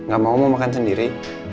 gak mau mau makan sendiri